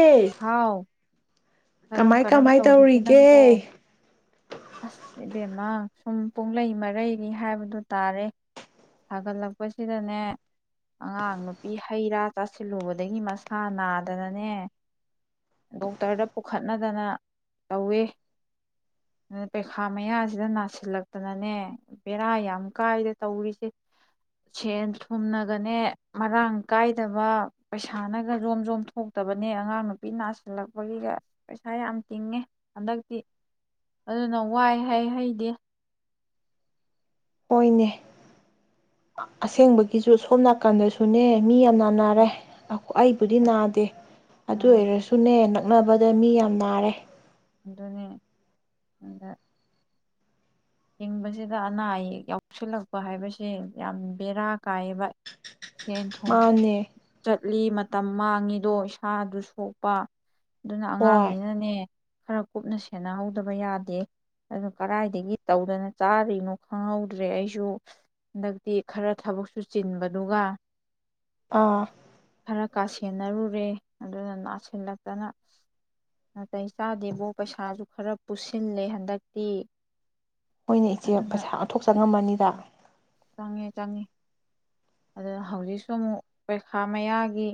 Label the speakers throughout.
Speaker 1: ꯑꯦ
Speaker 2: ꯍꯥꯎ ꯀꯔꯝ
Speaker 1: ꯀꯃꯥꯏ
Speaker 2: ꯀꯔꯝ
Speaker 1: ꯀꯃꯥꯏ
Speaker 2: ꯇꯧꯔꯤꯒꯦ ꯅꯪꯕꯣ ꯑꯁ꯫ ꯕꯦꯝꯃꯥ ꯁꯨꯝ ꯄꯨꯡꯂꯩ ꯃꯔꯩꯅꯤ ꯍꯥꯏꯕꯗꯨ ꯇꯥꯔꯦ ꯁꯥꯒꯠꯂꯛꯄꯁꯤꯗꯅꯦ ꯑꯉꯥꯡ ꯅꯨꯄꯤ ꯍꯩ ꯔꯥ ꯆꯥꯁꯤꯜꯂꯨꯕꯗꯒꯤ ꯃꯁꯥ ꯅꯥꯗꯅꯅꯦ ꯗꯣꯛꯇꯔꯗ ꯄꯨꯈꯠꯅꯗꯅ ꯇꯧꯋꯦ ꯑꯗꯨ ꯄꯩꯈꯥ ꯃꯌꯥꯁꯤꯗ ꯅꯥꯁꯤꯜꯂꯛꯇꯅꯅꯦ ꯕꯦꯔꯥ ꯌꯥꯝ ꯀꯥꯏꯗ ꯇꯧꯔꯤꯁꯦ ꯁꯦꯟ ꯊꯨꯝꯅꯒꯅꯦ ꯃꯔꯥꯡ ꯀꯥꯏꯗꯕ ꯄꯩꯁꯥꯅꯒ ꯌꯣꯝ ꯖꯣꯝ ꯊꯣꯛꯇꯕꯅꯦ ꯑꯉꯥꯡ ꯅꯨꯄꯤ ꯅꯥꯁꯤꯜꯂꯛꯄꯒꯤꯒ ꯄꯩꯁꯥ ꯌꯥꯝ ꯇꯤꯡꯉꯦ ꯍꯟꯗꯛꯇꯤ ꯑꯗꯨꯅ ꯋꯥꯏ ꯍꯩ ꯍꯩꯗꯤ
Speaker 1: ꯍꯣꯏꯅꯦ ꯑꯁꯦꯡꯕꯒꯤꯁꯨ ꯁꯣꯝ ꯅꯥꯀꯟꯗꯁꯨꯅꯦ ꯃꯤ ꯌꯥꯝ ꯅꯥꯟꯅꯔꯦ ꯑꯩꯕꯨꯗꯤ ꯅꯥꯗꯦ ꯑꯗꯨ
Speaker 2: ꯎꯝ
Speaker 1: ꯑꯣꯏꯔꯁꯨꯅꯦꯅ ꯅꯛꯅꯕꯗ ꯃꯤ ꯌꯥꯝ ꯅꯥꯔꯦ
Speaker 2: ꯑꯗꯨꯅꯦ ꯑꯗ ꯍꯤꯡꯕꯁꯤꯗ ꯑꯅꯥ ꯑꯌꯦꯛ ꯌꯥꯎꯁꯤꯜꯂꯛꯄ ꯍꯥꯏꯕꯁꯤ ꯌꯥꯝ ꯕꯦꯔꯥ ꯀꯥꯏꯌꯦꯕ ꯁꯦꯟ ꯊꯨꯝ
Speaker 1: ꯃꯥꯅꯦ
Speaker 2: ꯆꯠ ꯎꯠꯂꯤ ꯃꯇꯝ ꯃꯥꯡꯉꯤꯗꯣ ꯏꯁꯥꯗꯨ ꯁꯣꯛꯄ ꯑꯗꯨꯅ
Speaker 1: ꯍꯣꯏ
Speaker 2: ꯑꯉꯥꯡꯅꯤꯅꯅꯦ ꯈꯔ ꯀꯨꯞꯅ ꯁꯦꯟꯅꯍꯧꯗꯕ ꯌꯥꯗꯦ ꯑꯗꯨ ꯀꯗꯥꯏꯗꯒꯤ ꯇꯧꯗꯅ ꯆꯥꯔꯤꯅꯣ ꯈꯪꯍꯧꯗ꯭ꯔꯦ ꯑꯩꯁꯨ ꯍꯟꯗꯛꯇꯤ ꯈꯔ ꯊꯕꯛꯁꯨ ꯆꯤꯟꯕꯗꯨꯒ
Speaker 1: ꯑꯥ
Speaker 2: ꯈꯔ ꯀꯥꯁꯦꯟꯅꯔꯨꯔꯦ ꯑꯗꯨꯅ ꯅꯥꯁꯤꯜꯂꯛꯇꯅ ꯅꯥꯇꯩ ꯆꯥꯗꯦꯕꯣ ꯄꯩꯁꯥꯁꯨ ꯈꯔ ꯄꯨꯁꯤꯜꯂꯦ ꯍꯟꯗꯛꯇꯤ
Speaker 1: ꯃꯣꯏꯅꯦ ꯏꯆꯦ ꯄꯩꯁꯥ ꯑꯣꯟꯊꯣꯛꯆꯉꯝꯃꯅꯤꯗ
Speaker 2: ꯆꯥꯡꯉꯦ ꯆꯥꯡꯉꯦ ꯑꯗꯨꯅ ꯍꯧꯖꯤꯛꯁꯨ ꯑꯃꯨꯛ ꯄꯔꯤꯈꯥ ꯃꯌꯥꯒꯤ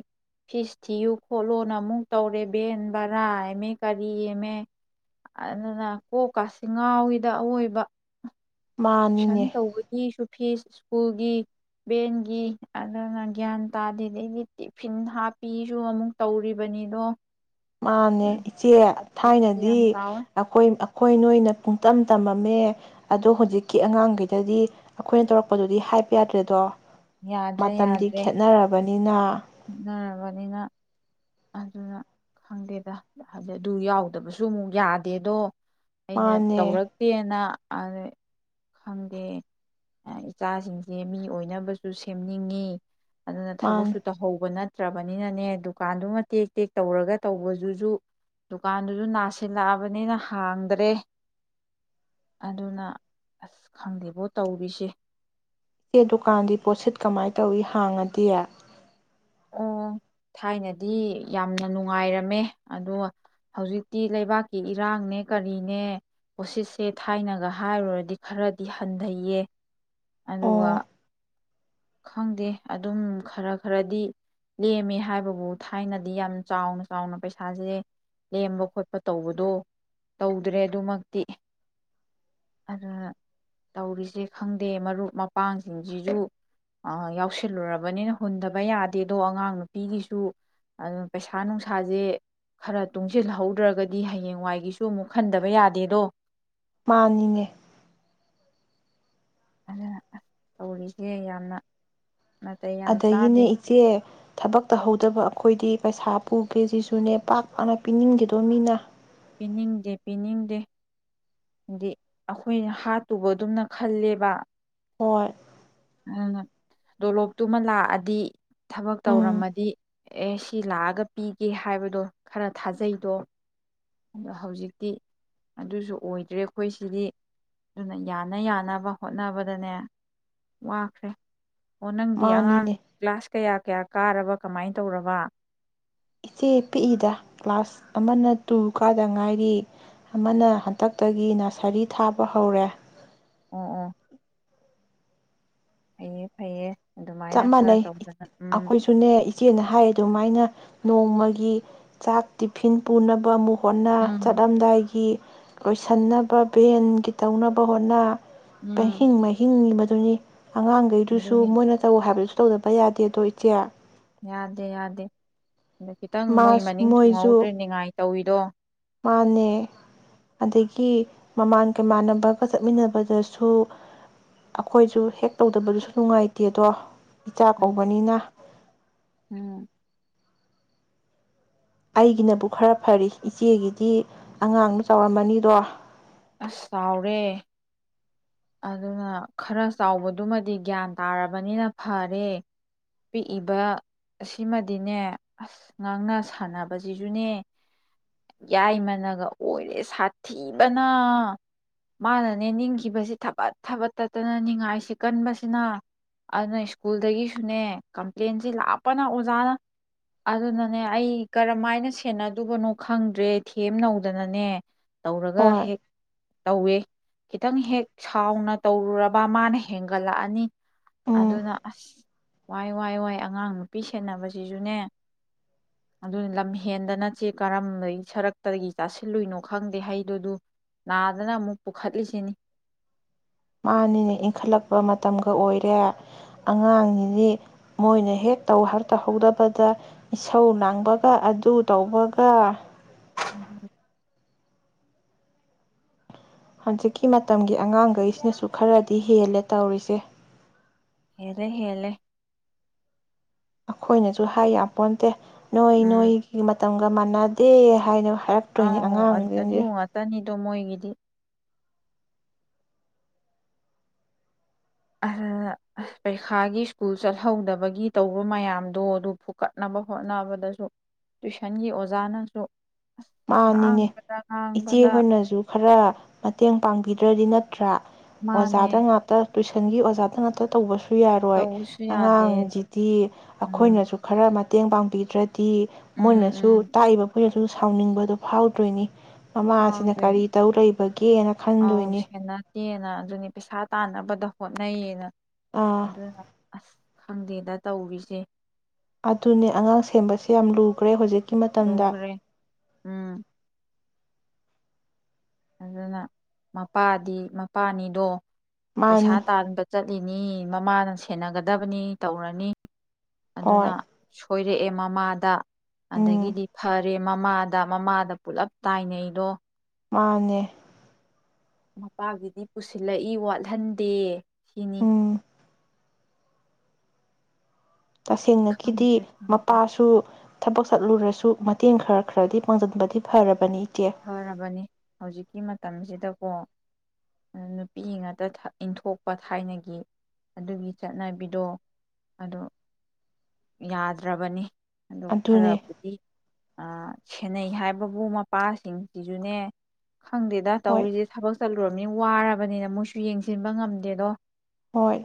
Speaker 2: ꯐꯤꯁ ꯊꯤꯌꯨ ꯈꯣꯠꯂꯨꯅ ꯑꯃꯨꯛ ꯇꯧꯔꯦ ꯚꯦꯟ ꯕꯔꯥ ꯍꯥꯏꯃꯦ ꯀꯔꯤ ꯑꯃꯃꯦ ꯑꯗꯨꯅ ꯀꯣꯛ ꯀꯥꯆꯤꯡꯒꯥꯎꯒꯤꯗ ꯑꯋꯣꯏꯕ ꯁꯟ
Speaker 1: ꯃꯥꯅꯤꯅꯦ
Speaker 2: ꯇꯧꯕꯒꯤꯁꯨ ꯐꯤꯁ ꯁ꯭ꯀꯨꯜꯒꯤ ꯚꯦꯟꯒꯤ ꯑꯗꯨꯅ ꯒ꯭ꯌꯥꯟ ꯇꯥꯗꯦꯗꯩꯗꯤ ꯇꯤꯐꯤꯟ ꯍꯥꯞꯄꯤꯁꯨ ꯑꯃꯨꯛ ꯇꯧꯔꯤꯕꯅꯤꯗꯣ
Speaker 1: ꯃꯥꯅꯦ ꯏꯆꯦ
Speaker 2: ꯀꯣꯛꯁꯦ
Speaker 1: ꯊꯥꯏꯅꯗꯤ
Speaker 2: ꯌꯥꯝ ꯆꯥꯎꯔꯦ
Speaker 1: ꯑꯩꯈꯣꯏ ꯑꯩꯈꯣꯏ ꯅꯣꯏꯅ ꯄꯨꯡꯇꯝ ꯇꯝꯃꯝꯃꯦ ꯑꯗꯣ ꯍꯧꯖꯤꯛꯀꯤ ꯑꯉꯥꯡꯈꯩꯗꯗꯤ ꯑꯩꯈꯣꯏꯅ ꯇꯧꯔꯛꯄꯗꯨꯗꯤ ꯍꯥꯏꯄ ꯌꯥꯗ꯭ꯔꯦꯗꯣ ꯃꯇꯝꯗꯤ ꯈꯦꯅꯔꯕꯅꯤ ꯅꯤꯅ
Speaker 2: ꯕꯅꯤꯅ ꯑꯗꯨꯅ ꯈꯪꯗꯦꯗ ꯍꯥꯏꯗꯤ ꯑꯗꯨ ꯌꯥꯎꯗꯕꯁꯨ ꯑꯃꯨꯛ ꯌꯥꯗꯦꯗꯣ ꯑꯩꯅ
Speaker 1: ꯃꯥꯅꯦ
Speaker 2: ꯇꯧꯔꯛꯇꯦꯅ ꯑ ꯈꯪꯗꯦ ꯏꯆꯥꯁꯤꯡꯁꯦ ꯃꯤ ꯑꯣꯏꯅꯕꯁꯨ ꯁꯦꯝꯅꯤꯡꯉꯤ ꯑꯗꯨꯅ
Speaker 1: ꯃꯥꯅꯦ
Speaker 2: ꯊꯕꯛꯁꯨꯨ ꯅꯠꯇ꯭ꯔꯕꯅꯤꯅꯅꯦ ꯗꯨꯀꯥꯟꯗꯨꯃ ꯇꯦꯛ ꯇꯦꯛ ꯇꯧꯔꯒ ꯇꯧꯕꯗꯨꯁꯨ ꯗꯨꯀꯥꯟꯗꯨꯁꯨ ꯅꯥꯁꯤꯜꯂꯛꯑꯕꯅꯤꯅ ꯍꯥꯡꯗ꯭ꯔꯦ ꯑꯗꯨꯅ ꯑꯁ ꯈꯪꯗꯦꯕꯣ ꯇꯧꯔꯤꯁꯦ
Speaker 1: ꯏꯦ ꯗꯨꯀꯥꯟꯗꯤ ꯄꯣꯠꯁꯤꯠ ꯀꯃꯥꯏꯅ ꯇꯧꯏꯤ ꯍꯥꯡꯉꯗꯤ
Speaker 2: ꯑꯣ ꯊꯥꯏꯅꯗꯤ ꯌꯥꯝꯅ ꯅꯨꯡꯉꯥꯏꯔꯝꯃꯦ ꯑꯗꯣ ꯍꯧꯖꯤꯛꯇꯤ ꯂꯩꯕꯥꯛꯀꯤ ꯏꯔꯥꯡꯅꯦ ꯀꯔꯤꯅꯦ ꯄꯣꯠꯁꯤꯠꯁꯦ ꯊꯥꯏꯅꯒ ꯍꯥꯏꯔꯨꯔꯗꯤ ꯈꯔꯗꯤ ꯍꯟꯊꯩꯌꯦ ꯑꯗꯨꯒ
Speaker 1: ꯑꯣ
Speaker 2: ꯈꯪꯗꯦ ꯑꯗꯨꯝ ꯈꯔ ꯈꯔꯗꯤ ꯂꯦꯝꯃꯦ ꯍꯥꯏꯕꯕꯨ ꯊꯥꯏꯅꯗꯤ ꯌꯥꯝ ꯆꯥꯎꯅ ꯆꯥꯎꯅ ꯄꯩꯁꯥꯁꯦ ꯂꯦꯝꯕ ꯈꯣꯠꯄ ꯇꯧꯕꯗꯣ ꯇꯧꯗ꯭ꯔꯦ ꯑꯗꯨꯃꯛꯇꯤ ꯑꯗꯨ ꯇꯧꯔꯤꯁꯦ ꯈꯪꯗꯦ ꯃꯔꯨꯞ ꯃꯄꯥꯡꯁꯤꯡꯁꯤꯁꯨ ꯌꯥꯎꯁꯤꯜꯂꯨꯔꯕꯅꯤꯅ ꯍꯨꯟꯗꯕ ꯌꯥꯗꯦꯗꯣ ꯑꯉꯥꯡ ꯅꯨꯄꯤꯒꯤꯁꯨ ꯑꯗꯨ ꯄꯩꯁꯥ ꯅꯨꯡꯁꯥꯁꯦ ꯈꯔ ꯇꯨꯡꯁꯤꯜꯍꯧꯗ꯭ꯔꯒꯗꯤ ꯍꯌꯦꯡꯋꯥꯏꯒꯤꯁꯨ ꯑꯃꯨꯛ ꯈꯟꯗꯕ ꯌꯥꯗꯦꯗꯣ
Speaker 1: ꯃꯥꯅꯤꯡꯉꯦ
Speaker 2: ꯑꯗꯨ ꯑ ꯇꯧꯔꯤꯁꯦ ꯌꯥꯝꯅ ꯅꯥꯇꯩ ꯌꯥꯝ
Speaker 1: ꯑꯗꯒꯤꯅꯦ
Speaker 2: ꯆꯥꯗꯦ
Speaker 1: ꯏꯆꯦ ꯊꯕꯛ ꯇꯧꯍꯧꯗꯕ ꯑꯩꯈꯣꯏꯗꯤ ꯄꯩꯁꯥ ꯄꯨ ꯀꯦꯖꯤꯁꯨꯅꯦ ꯄꯥꯛ ꯄꯥꯛꯅ ꯄꯤꯅꯤꯡꯗꯦꯗꯣ ꯃꯤꯅ
Speaker 2: ꯄꯤꯅꯤꯡꯗꯦ ꯄꯤꯅꯤꯡꯗꯦ ꯍꯥꯏꯗꯤ ꯑꯩꯈꯣꯏꯅ ꯍꯥꯠꯇꯨꯕ ꯑꯗꯨꯝꯅ ꯈꯜꯂꯦꯕ
Speaker 1: ꯍ
Speaker 2: ꯑꯗꯨꯅ ꯇꯣꯂꯣꯞꯇꯨꯃ ꯂꯥꯛꯑꯗꯤ ꯊꯕꯛ
Speaker 1: ꯎꯝ
Speaker 2: ꯇꯧꯔꯝꯃꯗꯤ ꯑꯦ ꯁꯤ ꯂꯥꯛꯑꯒ ꯄꯤꯒꯦ ꯍꯥꯏꯕꯗꯣ ꯈꯔ ꯊꯥꯖꯩꯗꯣ ꯑꯗꯣ ꯍꯧꯖꯤꯛꯇꯤ ꯑꯗꯨꯁꯨ ꯑꯣꯏꯗ꯭ꯔꯦ ꯑꯩꯈꯣꯏ ꯁꯤꯗꯤ ꯑꯗꯨꯅ ꯌꯥꯅ ꯌꯥꯅꯕ ꯍꯣꯠꯅꯕꯗꯅꯦ ꯋꯥꯈ꯭ꯔꯦ ꯑꯣ ꯅꯪꯗꯤ ꯑꯉꯥꯡ
Speaker 1: ꯃꯥꯅꯤꯅꯦ
Speaker 2: ꯀ꯭ꯂꯥꯁ ꯀꯌꯥ ꯀꯌꯥ ꯀꯥꯔꯕ ꯀꯃꯥꯏꯅ ꯇꯧꯔꯕ
Speaker 1: ꯏꯆꯦ ꯄꯤꯛꯏꯗ ꯀ꯭ꯂꯥꯁ ꯑꯃꯅ ꯇꯨ ꯀꯥꯗ ꯉꯥꯏꯔꯤ ꯑꯃꯅ ꯍꯟꯇꯛꯇꯒꯤ ꯅꯁꯔꯤ ꯊꯥꯕ ꯍꯧꯔꯦ
Speaker 2: ꯎ ꯑ ꯐꯩꯌꯦ ꯐꯩꯌꯦ ꯑꯗꯨꯃꯥꯏꯅ
Speaker 1: ꯆꯞ
Speaker 2: ꯈꯔ
Speaker 1: ꯃꯥꯟꯅꯩ
Speaker 2: ꯇꯧꯗꯅ ꯎꯝ
Speaker 1: ꯑꯩꯈꯣꯏꯁꯨꯅꯦ ꯏꯆꯦꯅ ꯍꯥꯏ ꯑꯗꯨꯃꯥꯏꯅ ꯅꯣꯡꯃꯒꯤ ꯆꯥꯛ ꯇꯤꯐꯤꯟ ꯄꯨꯅꯕ ꯑꯃꯨꯛ ꯀꯣꯟꯟꯅ
Speaker 2: ꯎꯝ
Speaker 1: ꯆꯠꯂꯝꯗꯥꯏꯒꯤ ꯂꯣꯏꯁꯤꯟꯅꯕ ꯚꯦꯟꯒꯤ ꯇꯧꯅꯕ ꯍꯣꯠꯅ
Speaker 2: ꯎꯝ
Speaker 1: ꯃꯍ ꯃ ꯑꯗꯨꯅꯤ ꯑꯉꯥꯡꯈꯩꯗꯨꯁꯨ
Speaker 2: ꯑꯗꯨꯅꯤ
Speaker 1: ꯃꯣꯏꯅ ꯊꯥꯕꯗꯁꯨ ꯇꯧꯗꯕ ꯌꯥꯗꯦ ꯑꯗꯣ ꯏꯆꯦ
Speaker 2: ꯌꯥꯗꯦ ꯌꯥꯗꯦ ꯑꯗꯣ ꯈꯤꯇꯪ
Speaker 1: ꯃꯥ
Speaker 2: ꯃꯣꯏ ꯃꯅꯤꯡ
Speaker 1: ꯃꯣꯏꯁꯨ
Speaker 2: ꯊꯨꯡꯍꯧꯗ꯭ꯔꯦ ꯅꯤꯡꯉꯥꯏ ꯇꯧꯋꯤꯗꯣ
Speaker 1: ꯃꯥꯅꯦ ꯑꯗꯒꯤ ꯃꯃꯥꯟꯒꯃꯥꯟꯅꯕꯒ ꯆꯠꯃꯤꯟꯅꯕꯗꯁꯨ ꯑꯩꯈꯣꯏꯁꯨ ꯍꯦꯛ ꯇꯧꯗꯕꯗꯨꯁꯨ ꯅꯨꯡꯉꯥꯏꯇꯦ ꯑꯗꯣ ꯏꯆꯥ
Speaker 2: ꯎꯝ
Speaker 1: ꯀꯧꯕꯅꯤꯅ
Speaker 2: ꯎꯝ
Speaker 1: ꯑꯩꯒꯤꯅꯕꯨ ꯈꯔ ꯐꯔꯤ ꯏꯆꯦꯒꯤꯗꯤ ꯑꯉꯥꯡꯅ ꯆꯥꯎꯔꯝꯃꯅꯤꯗꯣ
Speaker 2: ꯑꯁ ꯆꯥꯎꯔꯦ ꯑꯗꯨꯅ ꯈꯔ ꯆꯥꯎꯕꯗꯨꯃꯗꯤ ꯒ꯭ꯌꯥꯟ ꯇꯥꯔꯕꯅꯤꯅ ꯐꯔꯦ ꯄꯤꯛꯏꯕ ꯁꯤꯃꯗꯤꯅꯦ ꯑꯁ ꯉꯥꯡꯅ ꯁꯥꯟꯅꯕꯁꯤꯁꯨꯅꯦ ꯌꯥꯏꯃꯅꯒ ꯑꯣꯏꯔꯦ ꯁꯥꯊꯤꯕꯅ ꯃꯥꯅꯅꯦ ꯅꯤꯡꯈꯤꯕꯁꯤ ꯊꯕꯠ ꯊꯕꯠ ꯇꯠꯇꯅ ꯅꯤꯡꯉꯥꯏꯁꯤ ꯀꯟꯕꯁꯤꯅ ꯑꯗꯨꯅ ꯁ꯭ꯀꯨꯜꯗꯒꯤꯁꯨꯅꯦ ꯀꯝꯄ꯭ꯂꯦꯟꯁꯤ ꯂꯥꯞꯄꯅ ꯑꯣꯖꯥꯅ ꯑꯗꯨꯅꯅꯦ ꯑꯩ ꯀꯔꯝꯥꯏꯅ ꯁꯦꯟꯅꯗꯕꯅꯣ ꯈꯪꯗ꯭ꯔꯦ ꯊꯦꯝꯅꯧꯗꯅꯅꯦ ꯇꯧꯔꯒ
Speaker 1: ꯍꯣꯏ
Speaker 2: ꯍꯦꯛ ꯇꯧꯋꯦ ꯈꯤꯇꯪ ꯍꯦꯛ ꯁꯥꯎꯅ ꯇꯧꯔꯨꯔꯕ ꯃꯥꯅ ꯍꯦꯟꯒꯠꯂꯛꯑꯅꯤ
Speaker 1: ꯎꯝ
Speaker 2: ꯑꯗꯨꯅ ꯑꯁ ꯋꯥꯏ ꯋꯥꯏ ꯋꯥꯏ ꯑꯉꯥꯡ ꯅꯨꯄꯤ ꯁꯦꯟꯅꯕꯁꯤꯁꯨꯅꯦ ꯑꯗꯨꯅ ꯂꯝ ꯍꯦꯟꯗ ꯅꯠꯇꯦ ꯀꯔꯝꯩ ꯁꯔꯛꯇꯒꯤ ꯆꯥꯁꯤꯜꯂꯨꯏꯅꯣ ꯈꯪꯗꯦ ꯍꯩꯗꯨꯗꯨ ꯅꯥꯗꯅ ꯑꯃꯨꯛ ꯄꯨꯈꯠꯂꯤꯁꯤꯅꯤ
Speaker 1: ꯃꯥꯅꯤꯅꯦ ꯏꯟꯈꯠꯂꯛꯄ ꯃꯇꯝꯒ ꯑꯣꯏꯔꯦ ꯑꯉꯥꯡꯅꯤꯅꯤ ꯃꯣꯏꯅ ꯍꯦꯛ ꯇꯧ ꯍꯛꯇꯍꯧꯗꯕꯗ ꯏꯁꯧ ꯂꯥꯡꯕꯒ ꯑꯗꯨ ꯇꯧꯕꯒ
Speaker 2: ꯎꯝ
Speaker 1: ꯍꯧꯖꯤꯛꯀꯤ ꯃꯇꯝꯒꯤ ꯑꯉꯥꯡꯈꯩꯁꯤꯅꯁꯨ ꯈꯔꯗꯤ ꯍꯦꯜꯂꯦ ꯇꯧꯔꯤꯁꯦ
Speaker 2: ꯍꯦꯂꯦ ꯍꯦꯂꯦ
Speaker 1: ꯑꯩꯈꯣꯏꯅꯁꯨ ꯍꯥꯏ ꯌꯥꯝ ꯄꯣꯟꯇꯦ ꯅꯣꯏ
Speaker 2: ꯎꯝ
Speaker 1: ꯅꯣꯏꯒꯤ ꯃꯇꯝ ꯑꯗꯨꯒ ꯃꯥꯟꯅꯗꯦ ꯍꯥꯏꯅ ꯊꯔꯛꯇꯣꯏꯅꯤ ꯑꯉꯥꯡꯁꯤꯡꯁꯦ
Speaker 2: ꯗꯃꯣꯏꯒꯤꯗꯤ ꯑꯗꯨ ꯄꯩꯈꯥꯒꯤ ꯁ꯭ꯀꯨꯜ ꯆꯠꯍꯧꯗꯕꯒꯤ ꯇꯧꯕ ꯃꯌꯥꯝꯗꯣ ꯑꯗꯨ ꯐꯨꯀꯠꯅꯕ ꯍꯣꯠꯅꯕꯗꯁꯨ ꯇꯨꯏꯁꯟꯒꯤ ꯑꯣꯖꯥꯅꯁꯨ
Speaker 1: ꯃꯥꯅꯤꯅꯦ
Speaker 2: ꯉꯥꯡꯕꯗ
Speaker 1: ꯏꯆꯦ
Speaker 2: ꯉꯥꯡꯕꯗ
Speaker 1: ꯍꯣꯏꯅꯖꯨ ꯈꯔ ꯃꯇꯦꯡ ꯄꯥꯡꯕꯤ꯫ ꯗ꯭ꯔꯗꯤ ꯅꯠꯇ꯭ꯔꯥ꯫
Speaker 2: ꯃꯥꯅꯦ
Speaker 1: ꯑꯣꯖꯥꯗ ꯉꯥꯛꯇ ꯇꯨꯏꯁꯟꯒꯤ ꯑꯣꯖꯥꯗ ꯉꯥꯛꯇ ꯇꯧꯕꯁꯨ ꯁꯨ ꯌꯥꯔꯣꯏ
Speaker 2: ꯇꯧꯕꯁꯨ ꯌꯥꯗꯦ
Speaker 1: ꯑꯉꯥꯡꯖꯤꯗꯤ
Speaker 2: ꯎꯝ
Speaker 1: ꯑꯩꯈꯣꯏꯅꯁꯨ ꯈꯔ ꯃꯠ ꯃꯇꯦꯡ ꯄꯥꯡꯕꯤꯗ꯭ꯔꯗꯤ꯫ ꯗꯤ
Speaker 2: ꯎꯝ
Speaker 1: ꯃꯣꯏꯅꯁꯨ
Speaker 2: ꯎꯝ
Speaker 1: ꯇꯥꯛꯏꯕ ꯁꯥꯎꯅꯤꯡꯕꯗꯣ ꯐꯥꯎꯗ꯭ꯣꯏꯅꯤ꯫ ꯃꯃꯥꯁꯤꯅ
Speaker 2: ꯐꯥꯎꯗꯣꯏꯅꯤ
Speaker 1: ꯀꯔꯤ ꯇꯧ ꯂꯩꯕꯒꯦꯅ ꯈꯟꯗꯣꯏꯅꯤ꯫
Speaker 2: ꯇꯦꯅ ꯑꯗꯨꯅꯤ ꯄꯩꯁꯥ ꯇꯥꯟꯅꯕꯗ ꯍꯣꯠꯅꯩꯌꯦꯅ꯫
Speaker 1: ꯑꯥ
Speaker 2: ꯑꯗꯨꯅ ꯑꯁ ꯈꯪꯗꯦꯗ ꯇꯧꯔꯤꯖꯦ꯫
Speaker 1: ꯑꯗꯨꯅꯦ ꯑꯉꯥꯡ ꯁꯦꯝꯕꯁꯦ ꯌꯥꯝ ꯂꯨꯒꯔꯦ ꯍꯧꯖꯤꯛ
Speaker 2: ꯂꯨꯒꯔꯦ ꯎꯝ꯫ ꯑꯗꯨꯅ ꯃꯄꯥꯗꯤ ꯃꯄꯥꯅꯤꯗꯣ ꯄꯩꯁꯥ
Speaker 1: ꯃꯥꯅꯤ
Speaker 2: ꯇꯥꯟꯕ ꯆꯠꯂꯤꯅꯤ꯫ ꯃꯃꯥꯅ ꯁꯦꯟꯅꯒꯗꯕꯅꯤ ꯇꯧꯔꯅꯤ꯫ ꯑꯗꯨꯅ
Speaker 1: ꯍꯣꯏ
Speaker 2: ꯁꯣꯏꯔꯛꯑꯦ꯫ ꯃꯃꯥꯗ
Speaker 1: ꯎꯝ
Speaker 2: ꯑꯗꯒꯤꯗꯤ ꯐꯔꯦ ꯃꯃꯥꯗ ꯃꯃꯥꯗ ꯄꯨꯂꯞ ꯇꯥꯏꯅꯩꯗꯣ꯫
Speaker 1: ꯃꯥꯅꯦ꯫
Speaker 2: ꯃꯄꯥꯒꯤꯗꯤ ꯄꯨꯁꯤꯜꯂꯛꯏ ꯋꯥꯠꯍꯟꯗꯦ꯫ ꯁꯤꯅꯤ꯫
Speaker 1: ꯎꯝ ꯇꯁꯦꯡꯅꯈꯤꯗꯤ
Speaker 2: ꯈꯪꯗ꯭ꯔꯦ ꯈꯪꯗ꯭ꯔꯦ
Speaker 1: ꯃꯄꯥꯁꯨ ꯊꯕꯛ ꯆꯠꯂꯨꯔꯁꯨ ꯃꯇꯦꯡ ꯈꯔ ꯈꯔꯗꯤ ꯄꯥꯡꯖꯤꯟꯕꯗꯤ ꯐꯔꯕꯅꯤ꯫ ꯏꯆꯦ
Speaker 2: ꯐꯔꯕꯅꯤ ꯍꯧꯖꯤꯛꯀꯤ ꯃꯇꯝꯖꯤꯗ꯫ ꯀꯣ ꯅꯨꯄꯤ ꯉꯥꯛꯇ ꯏꯟꯊꯣꯛꯄ ꯊꯥꯏꯅꯒꯤ ꯑꯗꯨꯒꯤ ꯆꯠꯅꯕꯤꯗꯣ ꯑꯗꯨ ꯌꯥꯗ꯭ꯔꯕꯅꯤ꯫ ꯑꯗꯨ
Speaker 1: ꯑꯗꯨꯅꯦ
Speaker 2: ꯈꯔꯕꯨꯗꯤ ꯑ ꯁꯦꯟꯅꯩ ꯍꯥꯏꯕꯕꯨ ꯃ ꯄꯥꯁꯤꯡꯁꯤꯁꯨꯅꯦ ꯈꯪꯗꯦꯗ
Speaker 1: ꯍꯣꯏ
Speaker 2: ꯇꯧꯔꯤꯖꯦ ꯊꯕꯛ ꯆꯠꯂꯨꯔ ꯅꯤ ꯋꯥꯔꯕꯅꯤꯅ ꯃꯣꯏꯁꯨ ꯌꯦꯡꯖꯤꯟꯕ ꯉꯝꯗꯦꯗꯣ꯫
Speaker 1: ꯍꯣꯏ꯫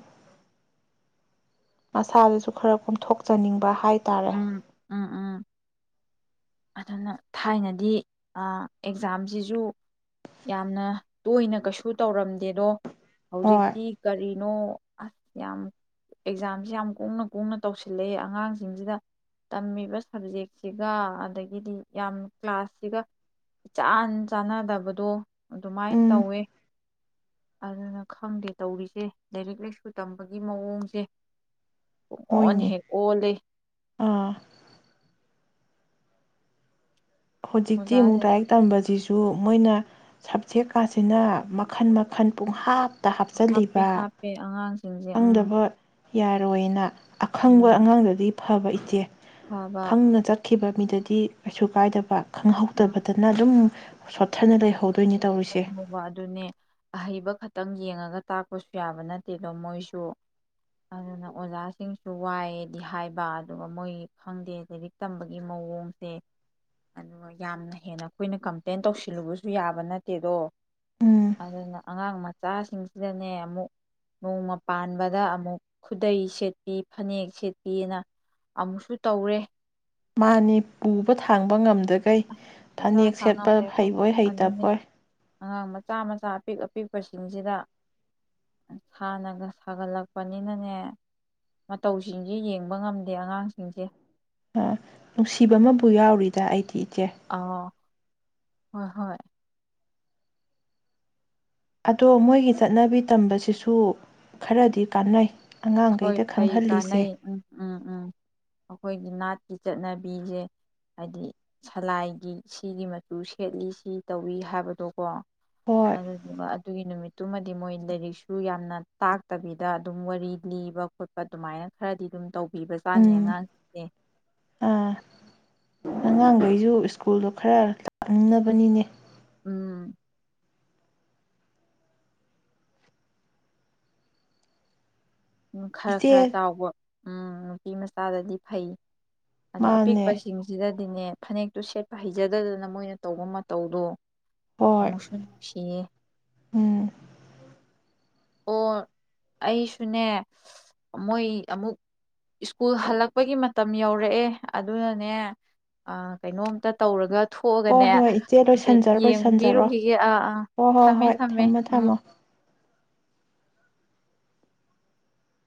Speaker 1: ꯃꯁꯥꯗꯁꯨ ꯈꯔ ꯀꯣꯝꯊꯣꯛꯆꯅꯤꯡꯕ ꯍꯥꯏ ꯇꯥꯔꯦ꯫
Speaker 2: ꯎꯝ ꯎꯝ ꯎꯝ ꯑꯗꯨꯅ ꯊꯥꯏꯅꯗꯤ ꯑꯦꯛꯖꯥꯝꯁꯤꯁꯨ ꯌꯥꯝꯅ ꯇꯣꯏꯅ ꯀꯩꯁꯨ ꯇꯧꯔꯝꯗꯦꯗꯣ
Speaker 1: ꯍꯣꯏ
Speaker 2: ꯍꯧꯖꯤꯛꯇꯤ ꯀꯔꯤꯅꯣ ꯑꯁ ꯌꯥꯝ ꯑꯦꯛꯖꯥꯝꯁꯤ ꯌꯥꯝ ꯀꯨꯡꯅ ꯀꯨꯡꯅ ꯇꯧꯁꯤꯜꯂꯛꯑꯦ ꯑꯉꯥꯡꯁꯤꯡꯁꯤꯗ ꯇꯝꯃꯤꯕ ꯁꯕꯖꯦꯛꯁꯤꯒ ꯑꯗꯒꯤ ꯑꯗꯒꯤꯗꯤ ꯌꯥꯝ ꯀ꯭ꯂꯥꯁꯁꯤꯒ ꯏꯆꯥꯟ ꯆꯥꯟꯅꯗꯕꯗꯣ ꯑꯗꯨꯃꯥꯏꯅ
Speaker 1: ꯎꯝ
Speaker 2: ꯇꯧꯋꯦ ꯑꯗꯨꯅ ꯈꯪꯗꯦ ꯇꯧꯔꯤꯁꯦ ꯂꯥꯏꯔꯤꯛ ꯂꯥꯏꯁꯨ ꯇꯝꯕꯒꯤ ꯃꯑꯣꯡꯁꯦ ꯑꯣꯅ
Speaker 1: ꯍꯣꯏꯅꯦ
Speaker 2: ꯍꯦ ꯀ ꯂꯩ
Speaker 1: ꯑꯥ ꯍꯧꯖꯤꯛꯇꯤ ꯑꯃꯨꯛ
Speaker 2: ꯑꯣꯖꯥꯁꯤꯡ
Speaker 1: ꯂꯥꯏꯔꯤꯛ ꯇꯝꯕꯁꯤꯁꯨ ꯑꯗꯨ ꯃꯣꯏꯅ ꯁꯕꯖꯦꯛ ꯀꯥꯁꯤꯅ ꯃꯈꯜ ꯃꯈꯜ ꯄꯨꯡꯍꯥꯞ
Speaker 2: ꯍꯥꯞꯄꯦ ꯍꯥꯞꯄꯦ ꯑꯉꯥꯡꯁꯤꯡꯁꯦ ꯎꯝ
Speaker 1: ꯈꯪꯗꯕ ꯌꯥꯔꯣꯏꯅ ꯑꯈꯪꯕ
Speaker 2: ꯎꯝ
Speaker 1: ꯑꯉꯥꯡꯗꯗꯤ ꯐꯕ ꯏꯆꯦ
Speaker 2: ꯐꯕ
Speaker 1: ꯈꯪꯅ ꯆꯠꯈꯤꯕ ꯃꯤꯗꯗꯤ ꯀꯩꯁꯨ ꯀꯥꯏꯗꯕ
Speaker 2: ꯎꯝ
Speaker 1: ꯈꯪꯍꯧꯗꯕꯗꯅ ꯑꯗꯨꯝ ꯁꯣꯠꯊꯅ ꯂꯩꯍꯧꯗꯦ
Speaker 2: ꯍꯧꯕ ꯑꯗꯨꯅꯦ ꯑꯍꯩꯕ ꯈ ꯈꯤꯇꯪ ꯌꯦꯡꯉꯒ ꯇꯥꯛꯄꯁꯨ ꯌꯥꯕ ꯅꯠꯇꯦꯗꯣ ꯃꯣꯏꯁꯨ ꯑꯗꯨꯅ ꯑꯣꯖꯥꯁꯤꯡꯁꯨ ꯋꯥꯏꯑꯗꯤ ꯍꯥꯏꯕ ꯑꯗꯨꯒ ꯃꯣꯏ ꯈꯪꯗꯦ ꯂꯥꯏꯔꯤꯛ ꯇꯝꯕꯒꯤ ꯃꯑꯣꯡꯁꯦ ꯑꯗꯨꯒ ꯌꯥꯝꯅ ꯍꯦꯟꯅ ꯑꯩꯈꯣꯏꯅ ꯀꯝꯄ꯭ꯂꯦꯟ ꯇꯧꯁꯤꯜꯂꯨꯕꯁꯨ ꯌꯥꯕ ꯅꯠꯇꯦ ꯆꯠꯇꯦꯗꯣ
Speaker 1: ꯎꯝ
Speaker 2: ꯑꯗꯨꯅ ꯑꯉꯥꯡ ꯃꯆꯥꯁꯤꯡꯁꯤꯗꯅꯦ ꯑꯃꯨꯛ ꯅꯣꯡꯃ ꯄꯥꯟꯕꯗ ꯑꯃꯨꯛ ꯈꯨꯗꯩ ꯁꯦꯠꯄꯤ ꯐꯅꯦꯛ ꯁꯦꯠꯄꯤꯅ ꯑꯃꯨꯛꯁꯨ ꯇꯧꯔꯦ
Speaker 1: ꯃꯥꯅꯤ ꯄꯨꯕ ꯊꯥꯡꯕ ꯉꯝꯗꯈꯩ
Speaker 2: ꯎꯔ
Speaker 1: ꯐꯅꯦꯛ ꯁꯦꯠꯄ
Speaker 2: ꯍꯥꯡꯉꯝꯂꯦ
Speaker 1: ꯍꯩꯕꯣꯏ
Speaker 2: ꯑꯗꯨꯅꯤ
Speaker 1: ꯍꯩꯇꯕꯣꯏ
Speaker 2: ꯑꯉꯥꯡ ꯃꯆꯥ ꯃꯆꯥ ꯑꯄꯤꯛ ꯑꯄꯤꯛ ꯄꯁꯤꯡꯁꯤꯗ ꯍꯟꯅꯒ ꯁꯥꯒꯠꯂꯛꯄꯅꯤꯅꯅꯦ ꯃꯇꯧꯁꯤꯡꯁꯦ ꯌꯦꯡꯕ ꯉꯝꯗꯦ ꯑꯉꯥꯡꯁꯤꯡꯁꯦ
Speaker 1: ꯅꯨꯡꯁꯤꯕ ꯑꯃꯕꯨ ꯌꯥꯎꯔꯤꯗ ꯑꯩꯗꯤ ꯏꯆꯦ
Speaker 2: ꯑꯥ ꯍꯣꯏ ꯍꯣꯏ
Speaker 1: ꯑꯗꯣ ꯃꯣꯏꯒꯤ ꯆꯠꯅꯕꯤ ꯇꯝꯕꯁꯤꯁꯨ ꯈꯔꯗꯤ ꯀꯥꯟꯅꯩ
Speaker 2: ꯍꯈꯣꯏ
Speaker 1: ꯑꯉꯥꯡꯈꯩꯗ
Speaker 2: ꯐꯩ ꯀꯥꯟꯅꯩ
Speaker 1: ꯈꯪꯍꯜꯂꯤꯁꯦ
Speaker 2: ꯎꯝ ꯎꯝ ꯎꯝ ꯑꯩꯈꯣꯏꯒꯤ ꯅꯥꯠꯀꯤ ꯆꯠꯅꯕꯤꯁꯦ ꯍꯥꯏꯗꯤ ꯁꯂꯥꯏꯒꯤ ꯁꯤꯒꯤ ꯃꯆꯨ ꯁꯦꯠꯂꯤ ꯁꯤ ꯇꯧꯏꯤ ꯍꯥꯏꯕꯗꯣ ꯀꯣ
Speaker 1: ꯍꯣꯏ
Speaker 2: ꯑꯗꯨꯗꯨꯒ ꯑꯗꯨꯒꯤ ꯅꯨꯃꯤꯠ ꯑꯗꯨꯃꯗꯤ ꯃꯣꯏ ꯂꯥꯏꯔꯤꯛꯁꯨ ꯌꯥꯝꯅ ꯇꯥꯛꯇꯕꯤꯗ ꯑꯗꯨꯝ ꯋꯥꯔꯤ ꯂꯤꯕ ꯈꯣꯠꯄ ꯑꯗꯨꯃꯥꯏꯅ ꯈꯔꯗꯤ ꯑꯗꯨꯝ ꯇꯧꯕꯤꯕ ꯆꯥꯅꯤ
Speaker 1: ꯎꯝ
Speaker 2: ꯑꯉꯥꯡꯁꯤꯡꯁꯦ
Speaker 1: ꯑꯥ ꯑꯉꯥꯡꯈꯩꯁꯨ ꯁ꯭ꯀꯨꯜꯗꯣ ꯈꯔ ꯂꯥꯛꯅꯤꯡꯅꯕꯅꯤꯅꯦ
Speaker 2: ꯎꯝ ꯎ ꯈꯔ ꯈꯔ
Speaker 1: ꯏꯆꯦ
Speaker 2: ꯆꯥꯎꯕ ꯎꯝ ꯅꯨꯄꯤ ꯃꯆꯥꯗꯗꯤ ꯐꯩ ꯑꯗꯣ
Speaker 1: ꯃꯥꯅꯦ
Speaker 2: ꯑꯄꯤꯛꯄꯁꯤꯡꯁꯤꯗ ꯑꯗꯨꯅꯦ ꯐꯅꯦꯛꯇꯨ ꯁꯦꯠꯄ ꯍꯩꯖꯗꯗꯅ ꯃꯣꯏꯅ ꯇꯧꯕ ꯃꯇꯧꯗꯣ
Speaker 1: ꯍꯣꯏ
Speaker 2: ꯑꯃꯨꯁꯟ ꯁꯤ
Speaker 1: ꯎꯝ
Speaker 2: ꯑꯣ ꯑꯩꯁꯨꯅꯦ ꯃꯣꯏ ꯑꯃꯨꯛ ꯁ꯭ꯀꯨꯜ ꯍꯜꯂꯛꯄꯒꯤ ꯃꯇꯝ ꯌꯧꯔꯛꯑꯦ ꯑꯗꯨꯅꯅꯦ ꯀꯩꯅꯣꯝꯇ ꯇꯧꯔꯒ
Speaker 1: ꯍꯣꯏ
Speaker 2: ꯊꯣꯛꯑꯒꯅꯦ
Speaker 1: ꯍꯣꯏ ꯏꯆꯦ
Speaker 2: ꯑꯗ
Speaker 1: ꯂꯣꯏꯁꯟꯖꯔꯣ ꯂꯣꯏꯁꯟꯖꯔꯣ
Speaker 2: ꯌꯦꯡꯕꯤꯔꯨꯈꯤꯒꯦ ꯑꯥ ꯑꯥ
Speaker 1: ꯍꯣꯏ ꯍꯣꯏ
Speaker 2: ꯊꯝꯃꯦ
Speaker 1: ꯍꯣꯏ
Speaker 2: ꯊꯝꯃꯦ
Speaker 1: ꯊꯝꯃꯣ
Speaker 2: ꯎꯝ
Speaker 1: ꯊꯝꯃꯣ